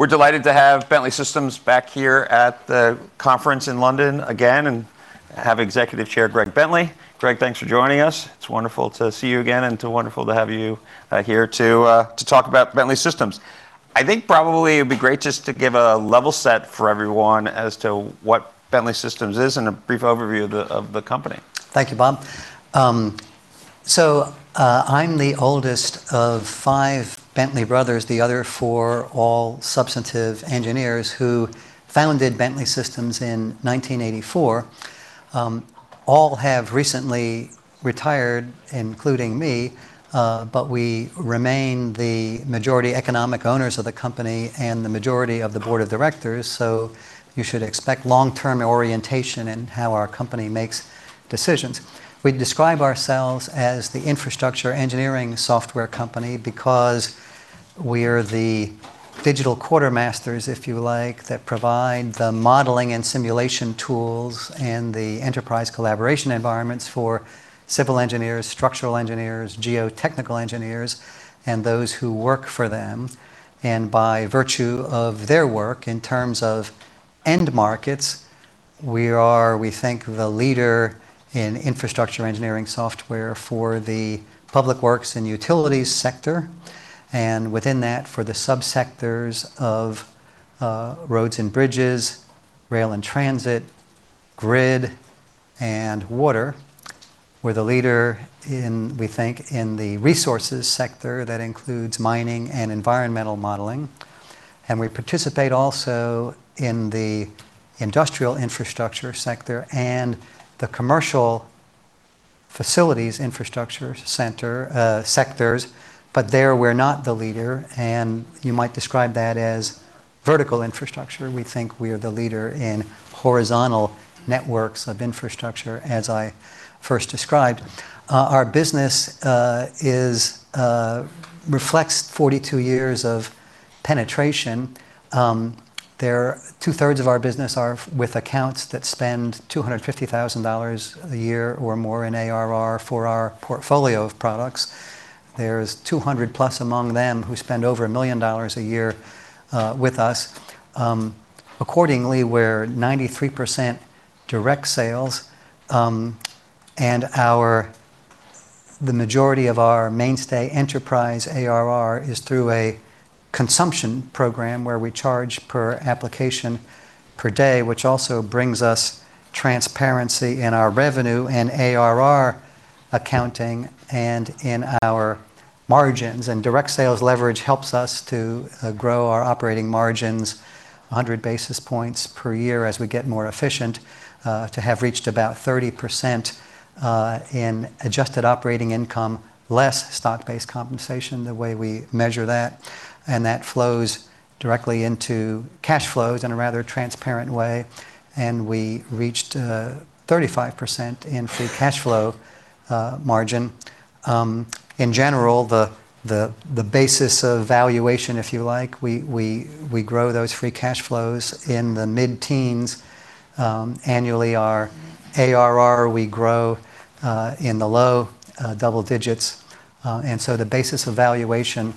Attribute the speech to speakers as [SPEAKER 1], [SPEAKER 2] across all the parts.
[SPEAKER 1] We're delighted to have Bentley Systems back here at the conference in London again and have Executive Chair Greg Bentley. Greg, thanks for joining us. It's wonderful to see you again and wonderful to have you here to talk about Bentley Systems. I think probably it'd be great just to give a level set for everyone as to what Bentley Systems is and a brief overview of the company.
[SPEAKER 2] Thank you, Bob. I'm the oldest of five Bentley brothers, the other four, all substantive engineers who founded Bentley Systems in 1984. All have recently retired, including me, but we remain the majority economic owners of the company and the majority of the board of directors, so you should expect long-term orientation in how our company makes decisions. We describe ourselves as the infrastructure engineering software company because we're the digital quartermasters, if you like, that provide the modeling and simulation tools and the enterprise collaboration environments for civil engineers, structural engineers, geotechnical engineers, and those who work for them. By virtue of their work in terms of end markets, we are, we think, the leader in infrastructure engineering software for the public works and utilities sector, and within that, for the subsectors of roads and bridges, rail and transit, grid, and water. We're the leader, we think, in the resources sector. That includes mining and environmental modeling. We participate also in the industrial infrastructure sector and the commercial facilities infrastructure sectors, but there we're not the leader, and you might describe that as vertical infrastructure. We think we are the leader in horizontal networks of infrastructure as I first described. Our business reflects 42 years of penetration. 2/3 of our business are with accounts that spend $250,000 a year or more in ARR for our portfolio of products. There's +200 among them who spend over a million dollars a year with us. Accordingly, we're 93% direct sales. The majority of our mainstay enterprise ARR is through a consumption program where we charge per application per day, which also brings us transparency in our revenue and ARR accounting and in our margins. Direct sales leverage helps us to grow our operating margins 100 basis points per year as we get more efficient to have reached about 30% in adjusted operating income, less stock-based compensation the way we measure that. That flows directly into cash flows in a rather transparent way. We reached 35% in free cash flow margin. In general, the basis of valuation, if you like, we grow those free cash flows in the mid-teens annually. Our ARR, we grow in the low double digits. The basis of valuation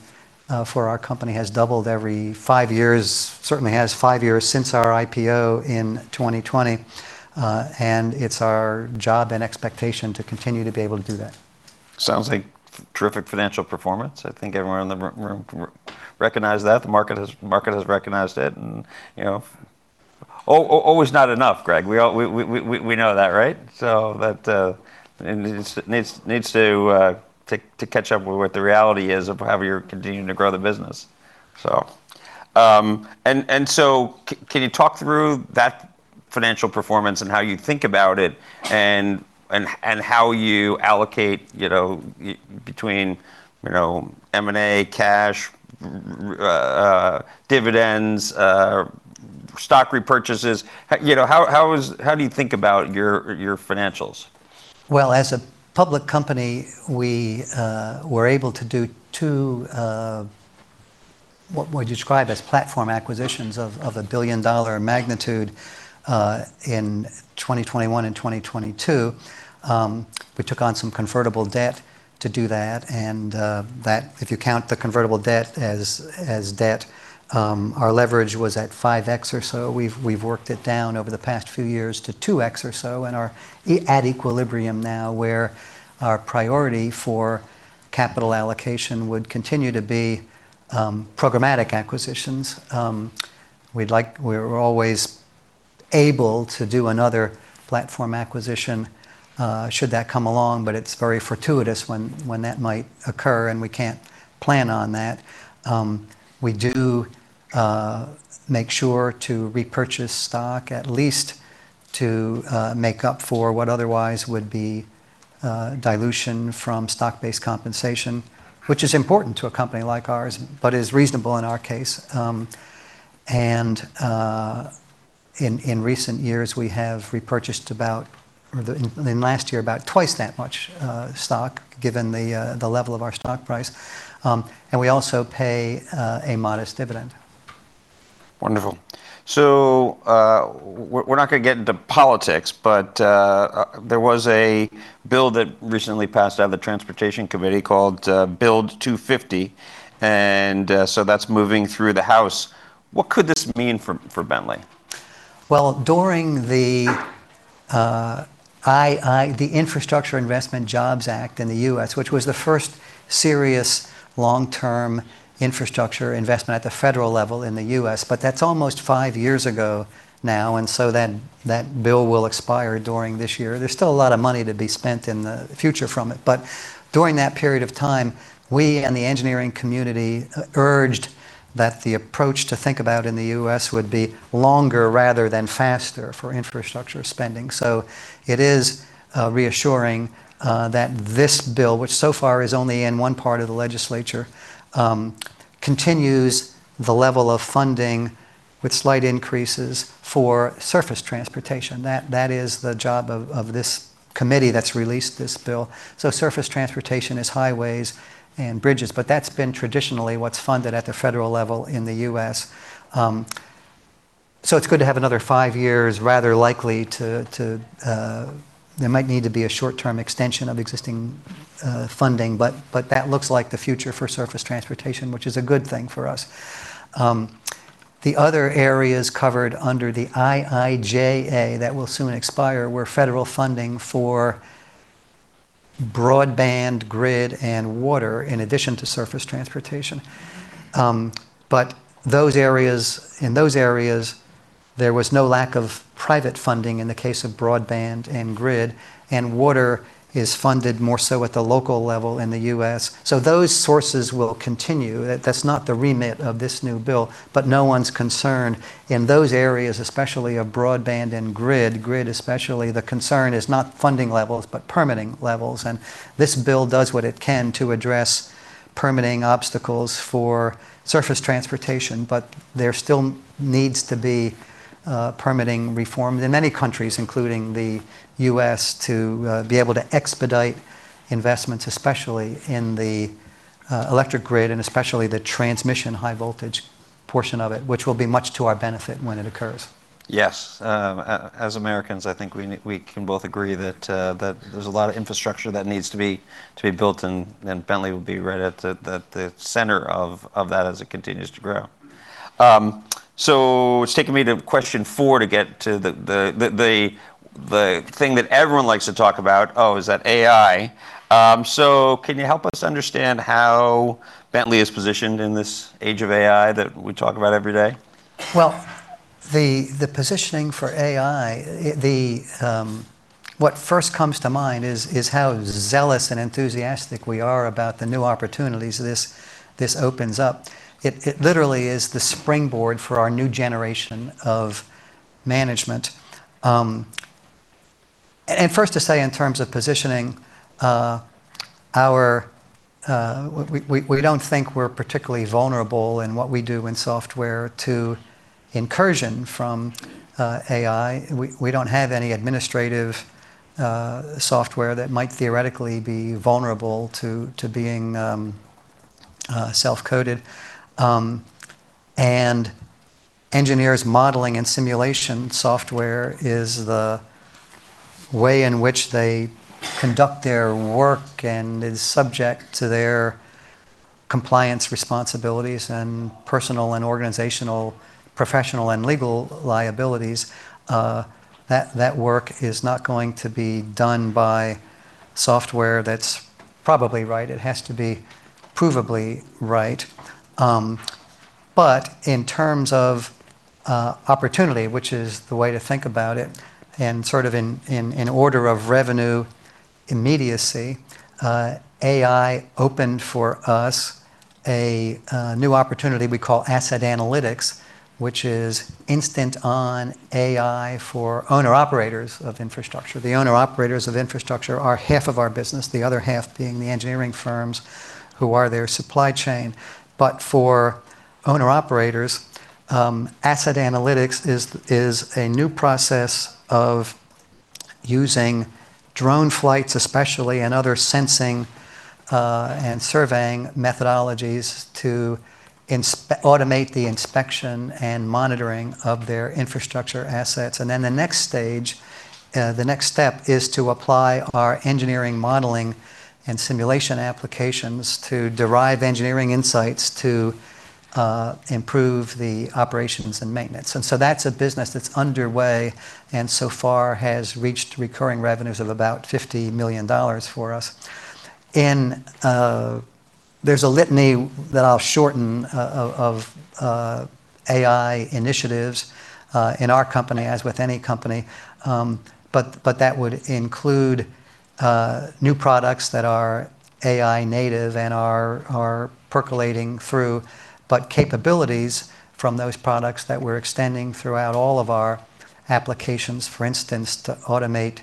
[SPEAKER 2] for our company has doubled every five years. Certainly has five years since our IPO in 2020. It's our job and expectation to continue to be able to do that.
[SPEAKER 1] Sounds like terrific financial performance. I think everyone in the room can recognize that. The market has recognized it, and always not enough, Greg. We know that, right? It needs to catch up with what the reality is of how you're continuing to grow the business. Can you talk through that financial performance and how you think about it and how you allocate between M&A, cash, dividends, stock repurchases? How do you think about your financials?
[SPEAKER 2] Well, as a public company, we were able to do two, what we describe as platform acquisitions of a billion-dollar magnitude, in 2021 and 2022. We took on some convertible debt to do that, and if you count the convertible debt as debt, our leverage was at 5x or so. We've worked it down over the past few years to 2x or so and are at equilibrium now, where our priority for capital allocation would continue to be programmatic acquisitions. We're always able to do another platform acquisition should that come along, but it's very fortuitous when that might occur, and we can't plan on that. We do make sure to repurchase stock, at least to make up for what otherwise would be dilution from stock-based compensation, which is important to a company like ours, but is reasonable in our case. In recent years, we have repurchased about, in last year, about twice that much stock given the level of our stock price. We also pay a modest dividend.
[SPEAKER 1] Wonderful. We're not going to get into politics, but there was a bill that recently passed out of the Transportation Committee called BUILD 250, and so that's moving through the House. What could this mean for Bentley?
[SPEAKER 2] During the Infrastructure Investment and Jobs Act in the U.S., which was the first serious long-term infrastructure investment at the federal level in the U.S., that's almost five years ago now. That bill will expire during this year. There's still a lot of money to be spent in the future from it. During that period of time, we and the engineering community urged that the approach to think about in the U.S. would be longer rather than faster for infrastructure spending. It is reassuring that this bill, which so far is only in one part of the legislature, continues the level of funding with slight increases for surface transportation. That is the job of this committee that's released this bill. Surface transportation is highways and bridges, but that's been traditionally what's funded at the federal level in the U.S. It's good to have another five years. There might need to be a short-term extension of existing funding, but that looks like the future for surface transportation, which is a good thing for us. The other areas covered under the IIJA that will soon expire were federal funding for broadband, grid, and water in addition to surface transportation. In those areas, there was no lack of private funding in the case of broadband and grid, and water is funded more so at the local level in the U.S. Those sources will continue. That's not the remit of this new bill, but no one's concerned in those areas, especially of broadband and grid. Grid especially, the concern is not funding levels but permitting levels. This bill does what it can to address permitting obstacles for surface transportation. There still needs to be permitting reform in many countries, including the U.S., to be able to expedite investments, especially in the electric grid and especially the transmission high voltage portion of it, which will be much to our benefit when it occurs.
[SPEAKER 1] Yes. As Americans, I think we can both agree that there's a lot of infrastructure that needs to be built, Bentley will be right at the center of that as it continues to grow. It's taking me to question four to get to the thing that everyone likes to talk about. Oh, is that AI? Can you help us understand how Bentley is positioned in this age of AI that we talk about every day?
[SPEAKER 2] The positioning for AI, what first comes to mind is how zealous and enthusiastic we are about the new opportunities this opens up. It literally is the springboard for our new generation of management. First to say, in terms of positioning, we don't think we're particularly vulnerable in what we do in software to incursion from AI. We don't have any administrative software that might theoretically be vulnerable to being self-coded. Engineers' modeling and simulation software is the way in which they conduct their work and is subject to their compliance responsibilities and personal and organizational, professional and legal liabilities. That work is not going to be done by software that's probably right. It has to be provably right. In terms of opportunity, which is the way to think about it, sort of in order of revenue immediacy, AI opened for us a new opportunity we call Asset Analytics, which is instant-on AI for owner-operators of infrastructure. The owner-operators of infrastructure are half of our business, the other 1half being the engineering firms who are their supply chain. For owner-operators, Asset Analytics is a new process of using drone flights especially, and other sensing and surveying methodologies to automate the inspection and monitoring of their infrastructure assets. Then the next stage, the next step, is to apply our engineering modeling and simulation applications to derive engineering insights to improve the operations and maintenance. That's a business that's underway and so far has reached recurring revenues of about $50 million for us. There's a litany that I'll shorten of AI initiatives in our company, as with any company, that would include new products that are AI native and are percolating through. Capabilities from those products that we're extending throughout all of our applications, for instance, to automate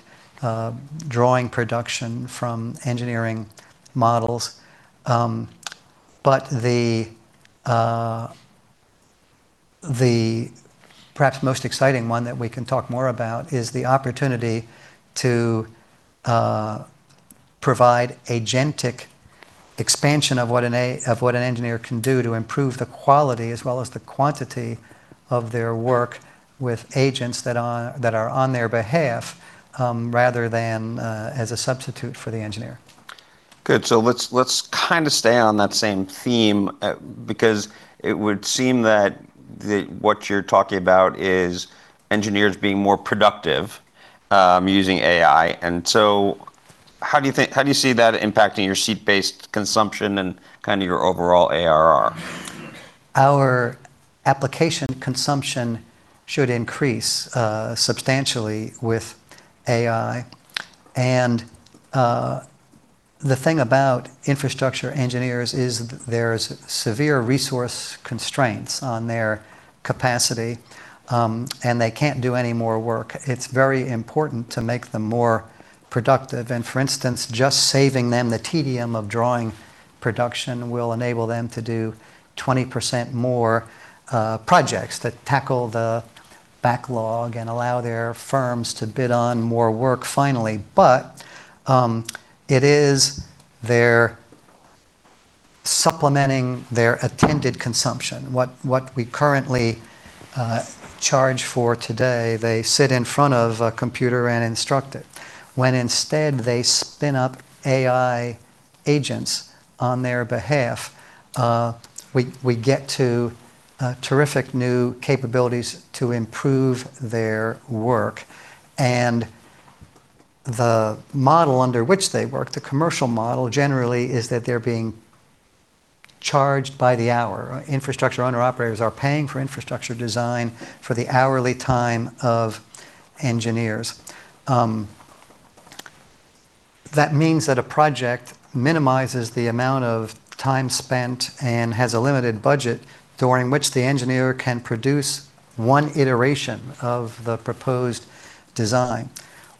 [SPEAKER 2] drawing production from engineering models. The perhaps most exciting one that we can talk more about is the opportunity to provide agentic expansion of what an engineer can do to improve the quality as well as the quantity of their work with agents that are on their behalf, rather than as a substitute for the engineer.
[SPEAKER 1] Good. Let's stay on that same theme, because it would seem that what you're talking about is engineers being more productive using AI. How do you see that impacting your seat-based consumption and your overall ARR?
[SPEAKER 2] Our application consumption should increase substantially with AI. The thing about infrastructure engineers is there's severe resource constraints on their capacity, and they can't do any more work. It's very important to make them more productive. For instance, just saving them the tedium of drawing production will enable them to do 20% more projects that tackle the backlog and allow their firms to bid on more work finally. It is their supplementing their attended consumption. What we currently charge for today, they sit in front of a computer and instruct it. When instead they spin up AI agents on their behalf, we get to terrific new capabilities to improve their work. The model under which they work, the commercial model generally is that they're being charged by the hour. Infrastructure owner-operators are paying for infrastructure design for the hourly time of engineers. That means that a project minimizes the amount of time spent and has a limited budget during which the engineer can produce one iteration of the proposed design.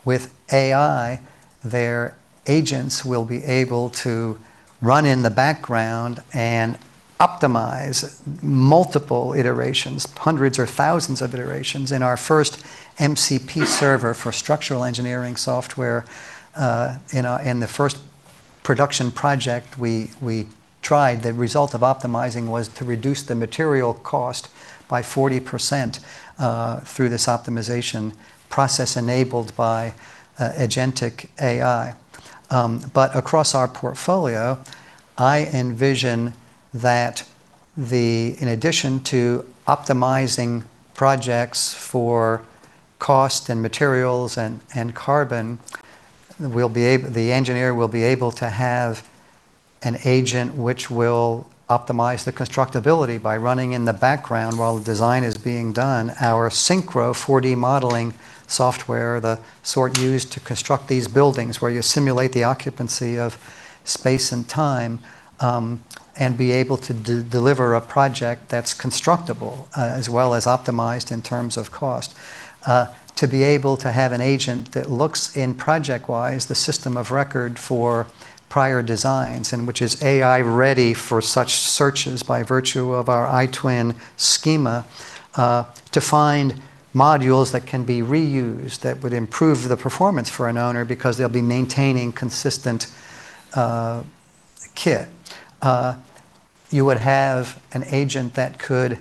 [SPEAKER 2] With AI, their agents will be able to run in the background and optimize multiple iterations, hundreds or thousands of iterations. In our first MCP server for structural engineering software, in the first production project we tried, the result of optimizing was to reduce the material cost by 40% through this optimization process enabled by agentic AI. Across our portfolio, I envision that in addition to optimizing projects for cost and materials and carbon, the engineer will be able to have an agent which will optimize the constructability by running in the background while the design is being done. Our SYNCHRO 4D modeling software, the sort used to construct these buildings where you simulate the occupancy of space and time, and be able to deliver a project that's constructable, as well as optimized in terms of cost. To be able to have an agent that looks in ProjectWise, the system of record for prior designs, and which is AI-ready for such searches by virtue of our iTwin schema, to find modules that can be reused that would improve the performance for an owner because they'll be maintaining consistent kit. You would have an agent that could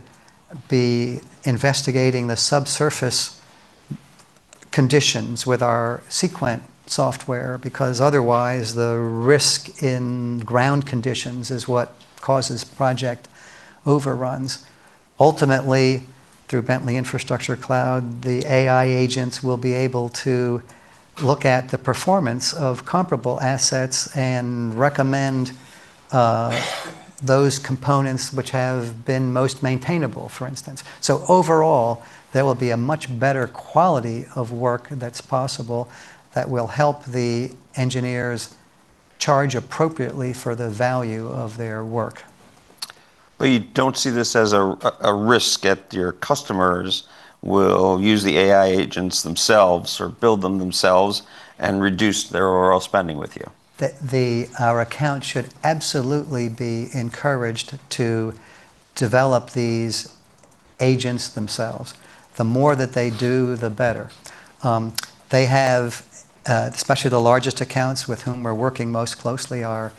[SPEAKER 2] be investigating the subsurface conditions with our Seequent software, because otherwise, the risk in ground conditions is what causes project overruns. Ultimately, through Bentley Infrastructure Cloud, the AI agents will be able to look at the performance of comparable assets and recommend those components which have been most maintainable, for instance. Overall, there will be a much better quality of work that's possible that will help the engineers charge appropriately for the value of their work.
[SPEAKER 1] You don't see this as a risk that your customers will use the AI agents themselves or build them themselves and reduce their overall spending with you?
[SPEAKER 2] Our accounts should absolutely be encouraged to develop these agents themselves. The more that they do, the better. Especially the largest accounts with whom we're working most closely, our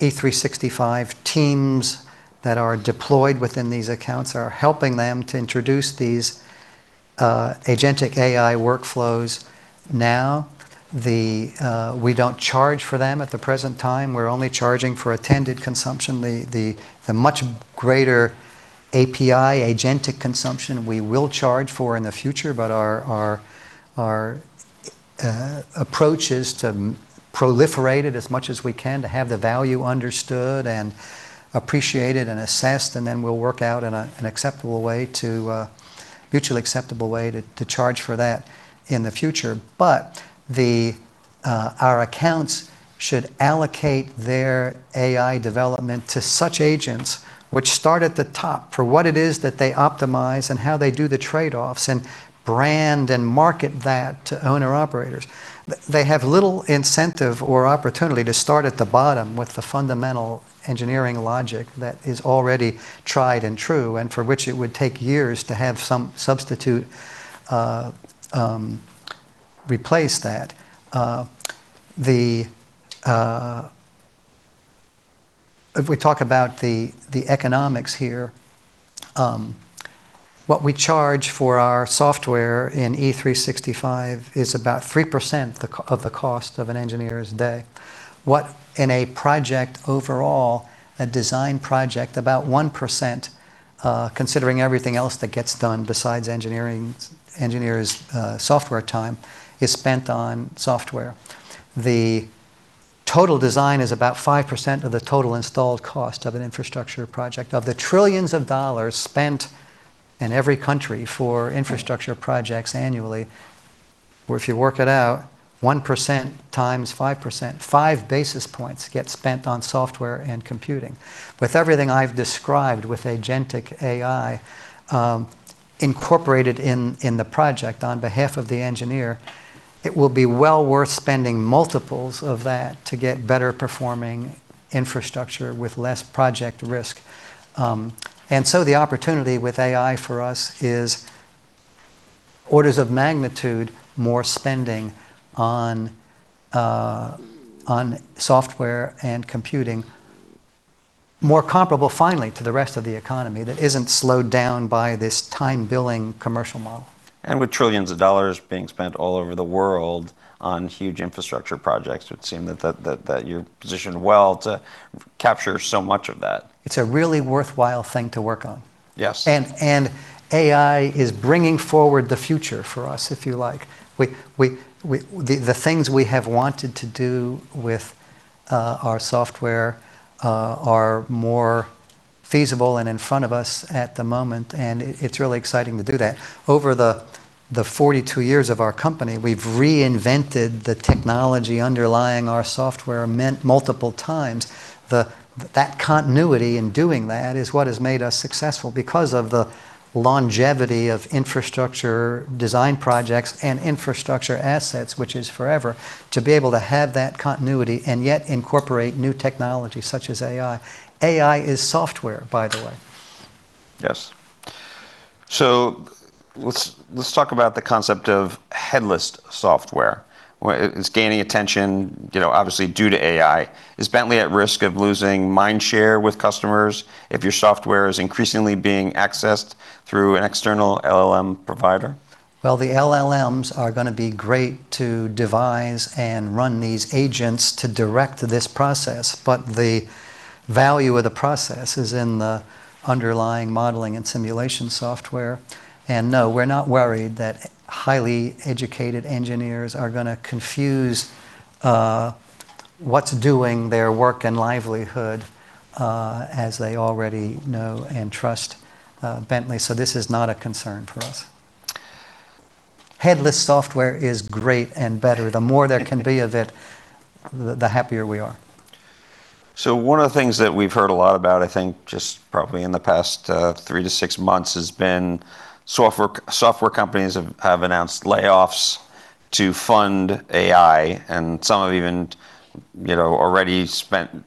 [SPEAKER 2] E365 teams that are deployed within these accounts are helping them to introduce these agentic AI workflows now. We don't charge for them at the present time. We're only charging for attended consumption. The much greater API agentic consumption we will charge for in the future. Our approach is to proliferate it as much as we can to have the value understood and appreciated and assessed, and then we'll work out a mutually acceptable way to charge for that in the future. Our accounts should allocate their AI development to such agents which start at the top for what it is that they optimize and how they do the trade-offs and brand and market that to owner-operators. They have little incentive or opportunity to start at the bottom with the fundamental engineering logic that is already tried and true and for which it would take years to have some substitute replace that. If we talk about the economics here, what we charge for our software in E365 is about 3% of the cost of an engineer's day. What, in a project overall, a design project, about 1%, considering everything else that gets done besides engineers' software time, is spent on software. The total design is about 5% of the total installed cost of an infrastructure project. Of the trillions of dollars spent in every country for infrastructure projects annually, where if you work it out, 1% x 5%, five basis points get spent on software and computing. With everything I've described with agentic AI incorporated in the project on behalf of the engineer, it will be well worth spending multiples of that to get better-performing infrastructure with less project risk. The opportunity with AI for us is orders of magnitude more spending on software and computing, more comparable finally to the rest of the economy that isn't slowed down by this time billing commercial model.
[SPEAKER 1] With trillions of dollars being spent all over the world on huge infrastructure projects, it would seem that you're positioned well to capture so much of that.
[SPEAKER 2] It's a really worthwhile thing to work on.
[SPEAKER 1] Yes.
[SPEAKER 2] AI is bringing forward the future for us, if you like. The things we have wanted to do with our software are more feasible and in front of us at the moment, and it's really exciting to do that. Over the 42 years of our company, we've reinvented the technology underlying our software multiple times. That continuity in doing that is what has made us successful because of the longevity of infrastructure design projects and infrastructure assets, which is forever, to be able to have that continuity and yet incorporate new technology such as AI. AI is software, by the way.
[SPEAKER 1] Yes. Let's talk about the concept of headless software. It's gaining attention, obviously due to AI. Is Bentley at risk of losing mind share with customers if your software is increasingly being accessed through an external LLM provider?
[SPEAKER 2] The LLMs are going to be great to devise and run these agents to direct this process. The value of the process is in the underlying modeling and simulation software. No, we're not worried that highly educated engineers are going to confuse what's doing their work and livelihood, as they already know and trust Bentley. This is not a concern for us. Headless software is great and better. The more there can be of it, the happier we are.
[SPEAKER 1] One of the things that we've heard a lot about, I think, just probably in the past three-six months, has been software companies have announced layoffs to fund AI, and some have even already spent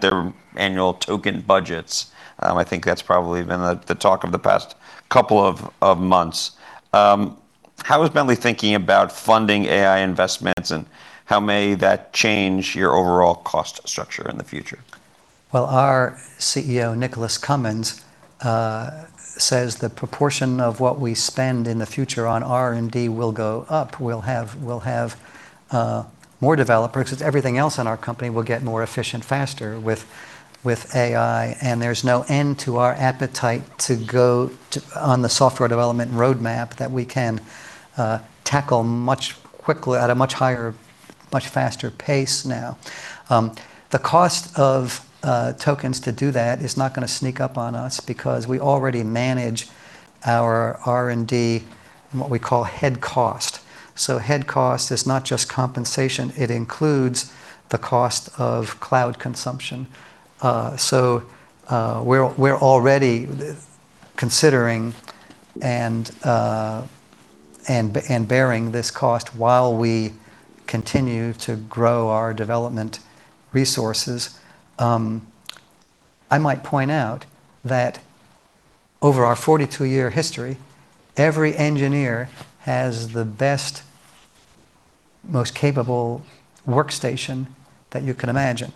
[SPEAKER 1] their annual token budgets. I think that's probably been the talk of the past couple of months. How is Bentley thinking about funding AI investments, and how may that change your overall cost structure in the future?
[SPEAKER 2] Well, our CEO, Nicholas Cumins, says the proportion of what we spend in the future on R&D will go up. We'll have more developers, because everything else in our company will get more efficient faster with AI. There's no end to our appetite to go on the software development roadmap that we can tackle much quickly, at a much higher, much faster pace now. The cost of tokens to do that is not going to sneak up on us because we already manage our R&D in what we call head cost. Head cost is not just compensation, it includes the cost of cloud consumption. We're already considering and bearing this cost while we continue to grow our development resources. I might point out that over our 42-year history, every engineer has the best, most capable workstation that you can imagine.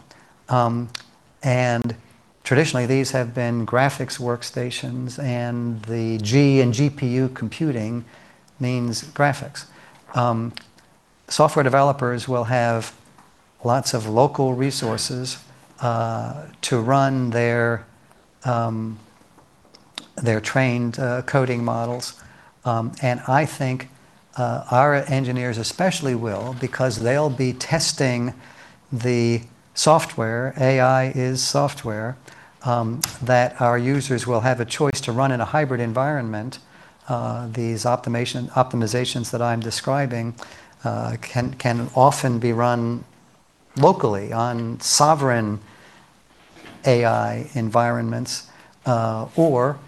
[SPEAKER 2] Traditionally, these have been graphics workstations, and the G in GPU computing means graphics. Software developers will have lots of local resources to run their trained coding models. I think our engineers especially will, because they'll be testing the software, AI is software, that our users will have a choice to run in a hybrid environment. These optimizations that I'm describing can often be run locally on sovereign AI environments, or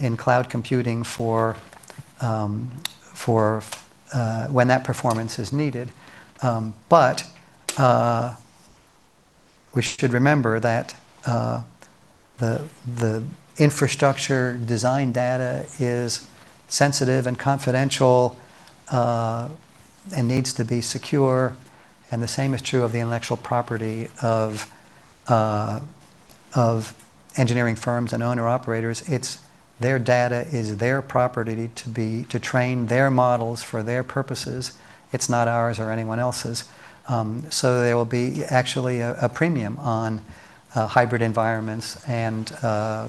[SPEAKER 2] in cloud computing for when that performance is needed. We should remember that the infrastructure design data is sensitive and confidential and needs to be secure, and the same is true of the intellectual property of engineering firms and owner-operators. Their data is their property to train their models for their purposes. It's not ours or anyone else's. There will be actually a premium on hybrid environments and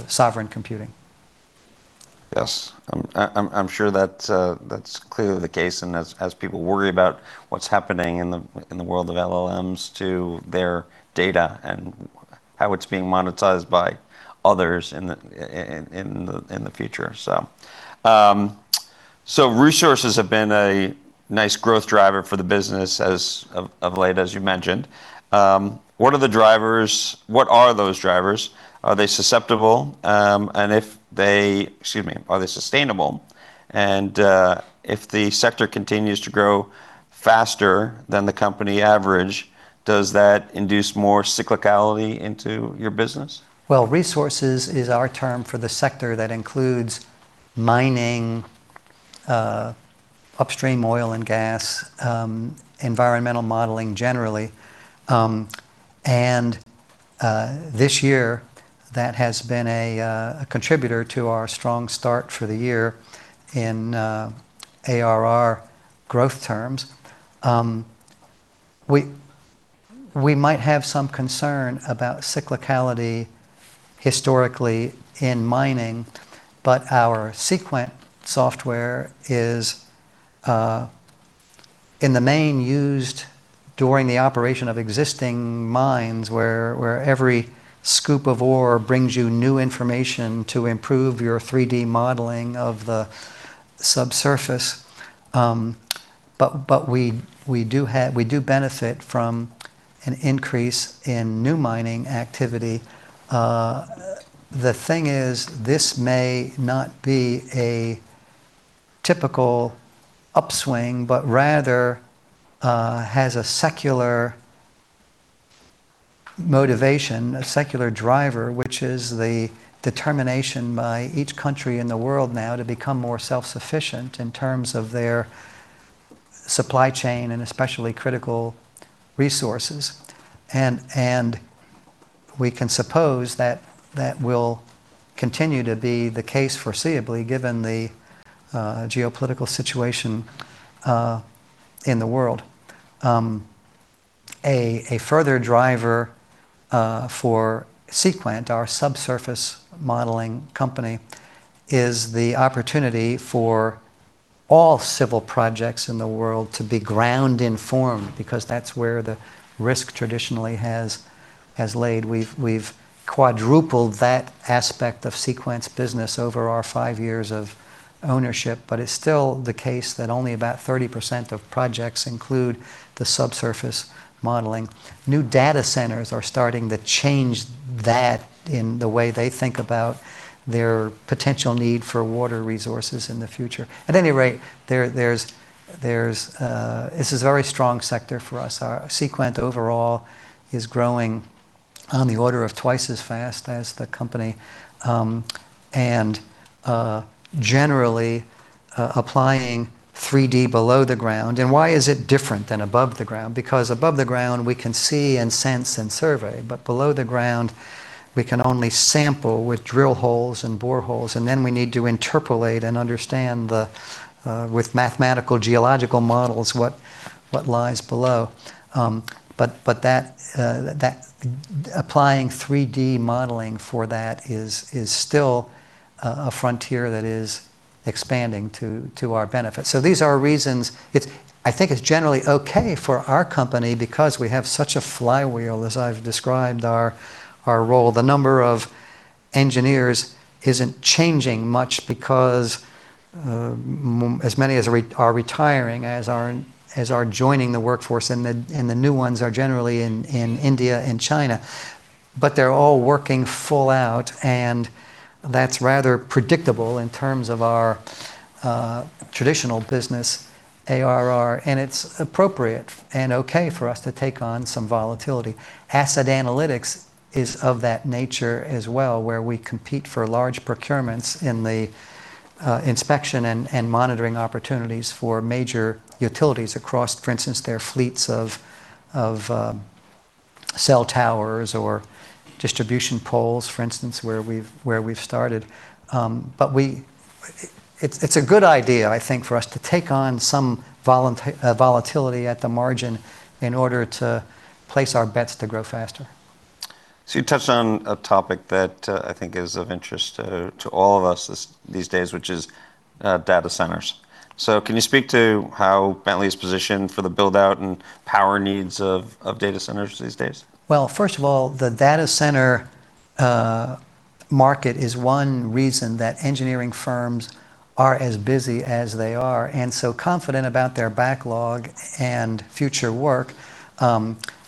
[SPEAKER 2] sovereign computing.
[SPEAKER 1] Yes. I'm sure that's clearly the case, and as people worry about what's happening in the world of LLMs to their data and how it's being monetized by others in the future. Resources have been a nice growth driver for the business as of late, as you mentioned. What are those drivers? Are they sustainable? If the sector continues to grow faster than the company average, does that induce more cyclicality into your business?
[SPEAKER 2] Well, resources is our term for the sector that includes mining, upstream oil and gas, environmental modeling generally. This year, that has been a contributor to our strong start for the year in ARR growth terms. We might have some concern about cyclicality historically in mining, but our Seequent software is, in the main, used during the operation of existing mines, where every scoop of ore brings you new information to improve your 3D modeling of the subsurface. We do benefit from an increase in new mining activity. The thing is, this may not be a typical upswing, but rather has a secular motivation, a secular driver, which is the determination by each country in the world now to become more self-sufficient in terms of their supply chain and especially critical resources. We can suppose that will continue to be the case foreseeably given the geopolitical situation in the world. A further driver for Seequent, our subsurface modeling company, is the opportunity for all civil projects in the world to be ground informed, because that's where the risk traditionally has laid. We've quadrupled that aspect of Seequent's business over our five years of ownership, but it's still the case that only about 30% of projects include the subsurface modeling. New data centers are starting to change that in the way they think about their potential need for water resources in the future. At any rate, this is a very strong sector for us. Seequent overall is growing on the order of twice as fast as the company, generally applying 3D below the ground. Why is it different than above the ground? Above the ground, we can see and sense and survey, but below the ground, we can only sample with drill holes and bore holes, and then we need to interpolate and understand, with mathematical geological models, what lies below. Applying 3D modeling for that is still a frontier that is expanding to our benefit. These are reasons. I think it's generally okay for our company because we have such a flywheel, as I've described our role. The number of engineers isn't changing much because as many are retiring as are joining the workforce, and the new ones are generally in India and China. They're all working full out, and that's rather predictable in terms of our traditional business ARR, and it's appropriate and okay for us to take on some volatility. Asset Analytics is of that nature as well, where we compete for large procurements in the inspection and monitoring opportunities for major utilities across, for instance, their fleets of cell towers or distribution poles, for instance, where we've started. It's a good idea, I think, for us to take on some volatility at the margin in order to place our bets to grow faster.
[SPEAKER 1] You touched on a topic that I think is of interest to all of us these days, which is data centers. Can you speak to how Bentley is positioned for the build-out and power needs of data centers these days?
[SPEAKER 2] First of all, the data center market is one reason that engineering firms are as busy as they are and so confident about their backlog and future work,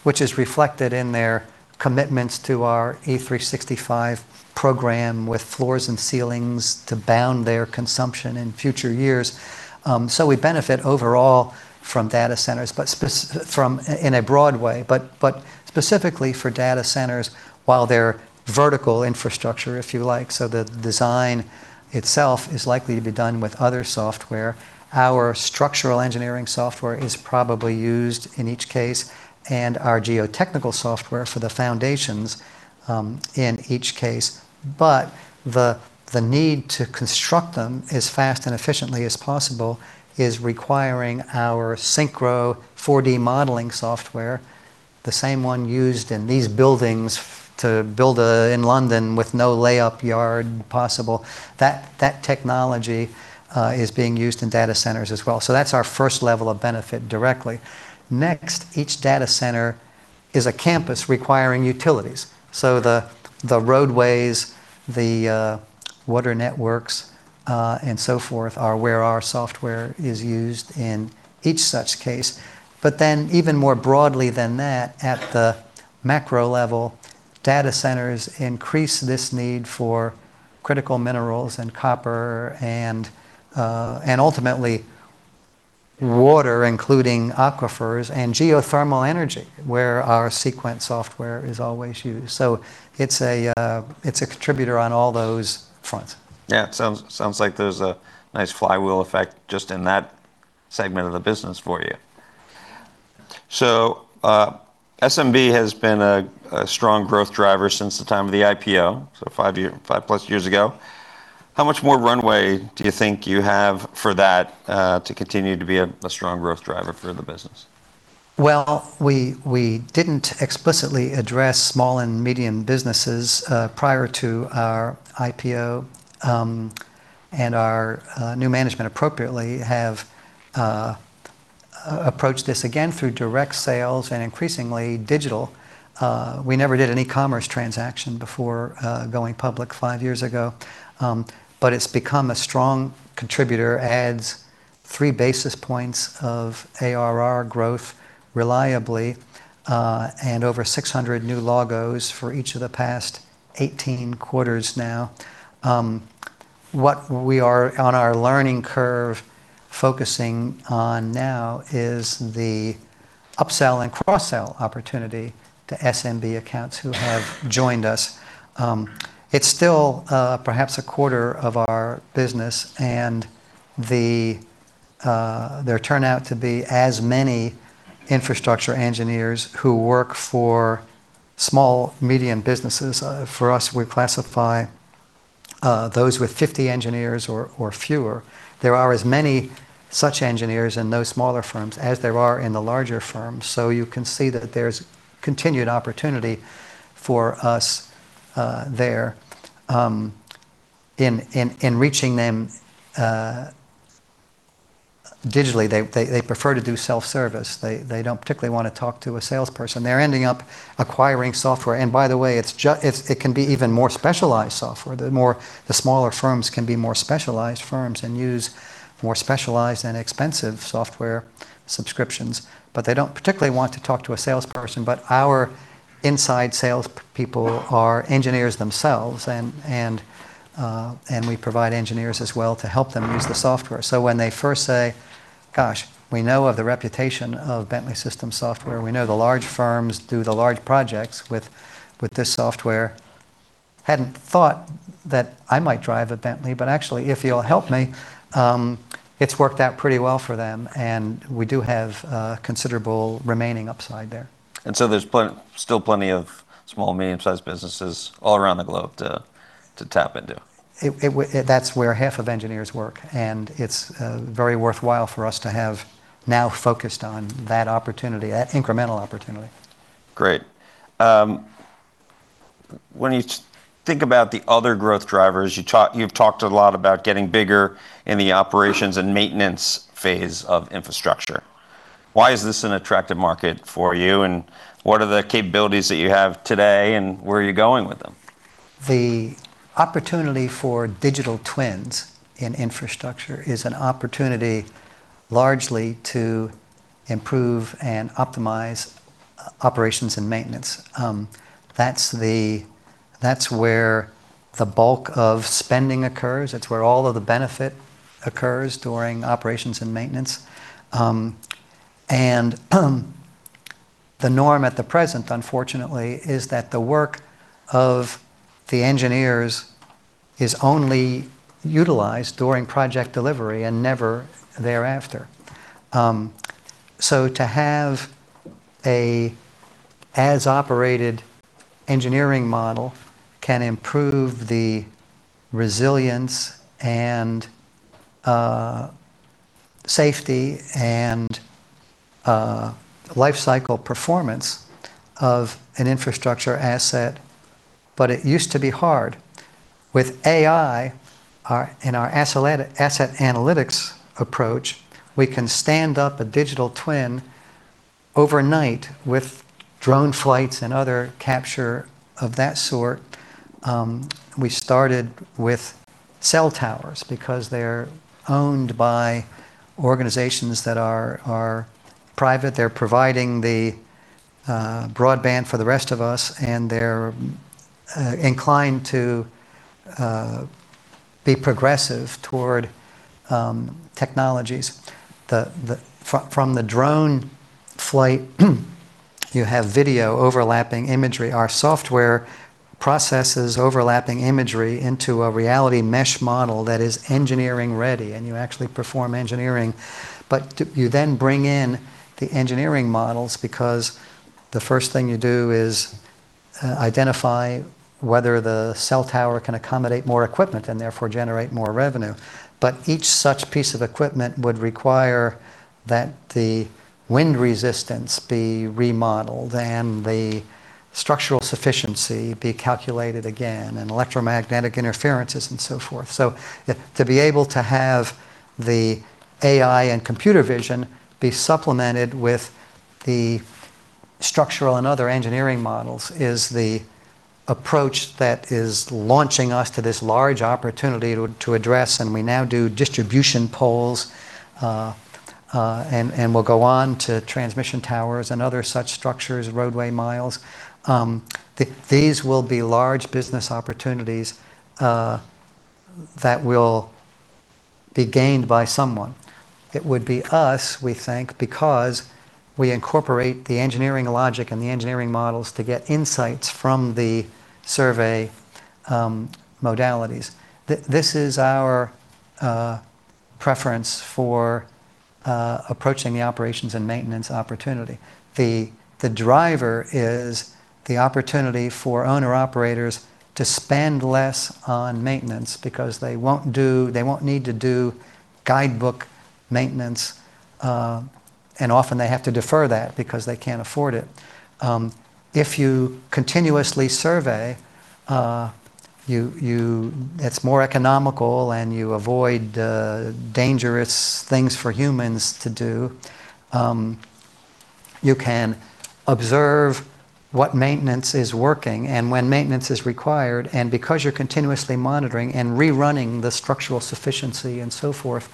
[SPEAKER 2] which is reflected in their commitments to our E365 program, with floors and ceilings to bound their consumption in future years. We benefit overall from data centers in a broad way. Specifically for data centers, while they're vertical infrastructure, if you like, the design itself is likely to be done with other software. Our structural engineering software is probably used in each case, and our geotechnical software for the foundations in each case. The need to construct them as fast and efficiently as possible is requiring our SYNCHRO 4D modeling software, the same one used in these buildings to build in London with no layup yard possible. That technology is being used in data centers as well. That's our first level of benefit directly. Next, each data center is a campus requiring utilities. The roadways, the water networks, and so forth, are where our software is used in each such case. Even more broadly than that, at the macro level, data centers increase this need for critical minerals and copper and ultimately water, including aquifers and geothermal energy, where our Seequent software is always used. It's a contributor on all those fronts.
[SPEAKER 1] Yeah. It sounds like there's a nice flywheel effect just in that segment of the business for you. SMB has been a strong growth driver since the time of the IPO, +5 years ago. How much more runway do you think you have for that to continue to be a strong growth driver for the business?
[SPEAKER 2] We didn't explicitly address small and medium businesses prior to our IPO. Our new management appropriately have approached this again through direct sales and increasingly digital. We never did an e-commerce transaction before going public five years ago. It's become a strong contributor, adds three basis points of ARR growth reliably, and over 600 new logos for each of the past 18 quarters now. What we are on our learning curve focusing on now is the upsell and cross-sell opportunity to SMB accounts who have joined us. It's still perhaps a quarter of our business and there turn out to be as many infrastructure engineers who work for small, medium businesses. For us, we classify those with 50 engineers or fewer. There are as many such engineers in those smaller firms as there are in the larger firms, you can see that there's continued opportunity for us there. In reaching them digitally, they prefer to do self-service. They don't particularly want to talk to a salesperson. They're ending up acquiring software. By the way, it can be even more specialized software. The smaller firms can be more specialized firms and use more specialized and expensive software subscriptions, they don't particularly want to talk to a salesperson. Our inside sales people are engineers themselves and we provide engineers as well to help them use the software. When they first say, "Gosh, we know of the reputation of Bentley Systems software. We know the large firms do the large projects with this software. Hadn't thought that I might drive a Bentley, actually, if you'll help me" It's worked out pretty well for them and we do have considerable remaining upside there.
[SPEAKER 1] There's still plenty of small, medium-sized businesses all around the globe to tap into.
[SPEAKER 2] That's where half of engineers work and it's very worthwhile for us to have now focused on that opportunity, that incremental opportunity.
[SPEAKER 1] Great. When you think about the other growth drivers, you've talked a lot about getting bigger in the operations and maintenance phase of infrastructure. Why is this an attractive market for you and what are the capabilities that you have today and where are you going with them?
[SPEAKER 2] The opportunity for digital twins in infrastructure is an opportunity largely to improve and optimize operations and maintenance. That's where the bulk of spending occurs. It's where all of the benefit occurs during operations and maintenance. The norm at the present, unfortunately, is that the work of the engineers is only utilized during project delivery and never thereafter. To have an as-operated engineering model can improve the resilience and safety and life cycle performance of an infrastructure asset, but it used to be hard. With AI in our Asset Analytics approach, we can stand up a digital twin overnight with drone flights and other capture of that sort. We started with cell towers because they're owned by organizations that are private. They're providing the broadband for the rest of us and they're inclined to be progressive toward technologies. From the drone flight, you have video overlapping imagery. Our software processes overlapping imagery into a reality mesh model that is engineering-ready and you actually perform engineering. You then bring in the engineering models because the first thing you do is identify whether the cell tower can accommodate more equipment and therefore generate more revenue. Each such piece of equipment would require that the wind resistance be remodeled and the structural sufficiency be calculated again and electromagnetic interferences and so forth. To be able to have the AI and computer vision be supplemented with the structural and other engineering models is the approach that is launching us to this large opportunity to address. We now do distribution polls, and we'll go on to transmission towers and other such structures, roadway miles. These will be large business opportunities that will be gained by someone. It would be us, we think, because we incorporate the engineering logic and the engineering models to get insights from the survey modalities. This is our preference for approaching the operations and maintenance opportunity. The driver is the opportunity for owner-operators to spend less on maintenance because they won't need to do guidebook maintenance, and often they have to defer that because they can't afford it. If you continuously survey, it's more economical and you avoid dangerous things for humans to do. You can observe what maintenance is working and when maintenance is required, and because you're continuously monitoring and rerunning the structural sufficiency and so forth,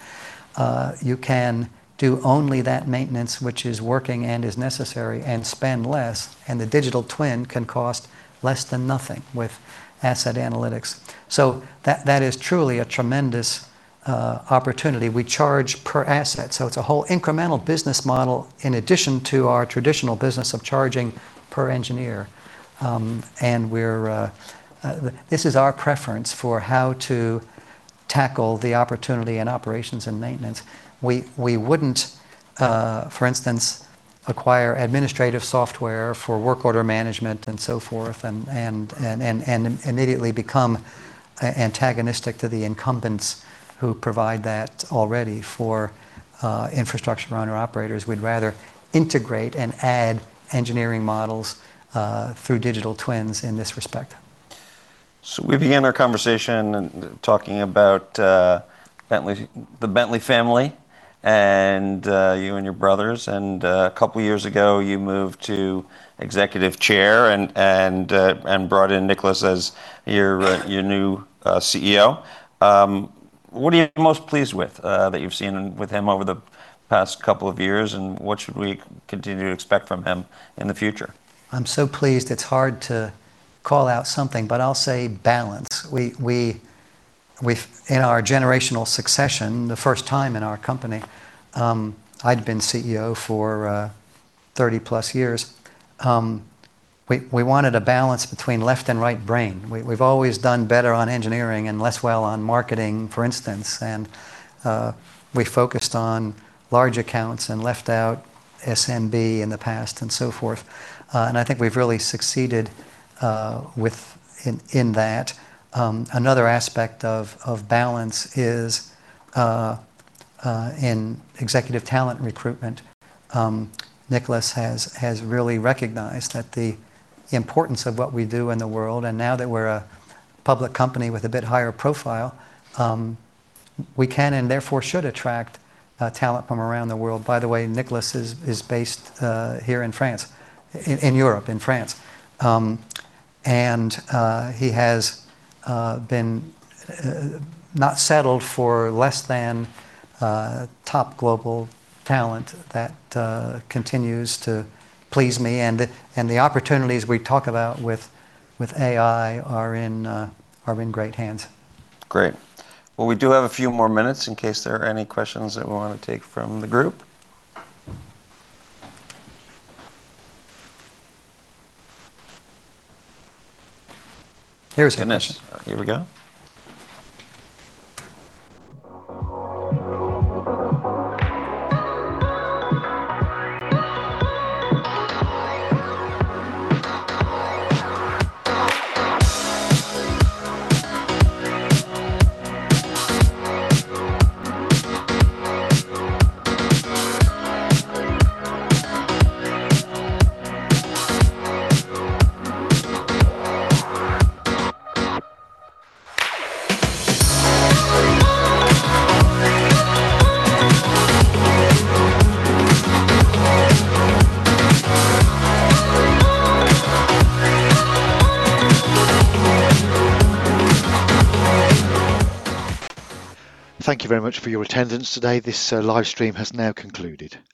[SPEAKER 2] you can do only that maintenance which is working and is necessary and spend less. The digital twin can cost less than nothing with Asset Analytics. That is truly a tremendous opportunity. We charge per asset, it's a whole incremental business model in addition to our traditional business of charging per engineer. This is our preference for how to tackle the opportunity in operations and maintenance. We wouldn't, for instance, acquire administrative software for work order management and so forth and immediately become antagonistic to the incumbents who provide that already for infrastructure owner-operators. We'd rather integrate and add engineering models through digital twins in this respect.
[SPEAKER 1] We began our conversation talking about the Bentley family and you and your brothers. A couple of years ago, you moved to Executive Chair and brought in Nicholas as your new CEO. What are you most pleased with that you've seen with him over the past couple of years, and what should we continue to expect from him in the future?
[SPEAKER 2] I'm so pleased. It's hard to call out something, but I'll say balance. In our generational succession, the first time in our company, I'd been CEO for +30 years. We wanted a balance between left and right brain. We've always done better on engineering and less well on marketing, for instance, and we focused on large accounts and left out SMB in the past and so forth. I think we've really succeeded in that. Another aspect of balance is in executive talent recruitment. Nicholas has really recognized that the importance of what we do in the world, and now that we're a public company with a bit higher profile, we can and therefore should attract talent from around the world. By the way, Nicholas is based here in France. In Europe, in France. He has not settled for less than top global talent. That continues to please me and the opportunities we talk about with AI are in great hands.
[SPEAKER 1] Great. Well, we do have a few more minutes in case there are any questions that we want to take from the group. Here's Ganesh. Here we go. Thank you very much for your attendance today. This livestream has now concluded. Thanks.